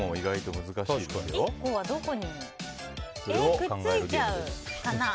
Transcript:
くっついちゃうかな。